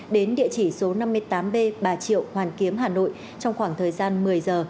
đến địa chỉ số năm mươi tám b bà triệu hoàn kiếm hà nội trong khoảng thời gian một mươi giờ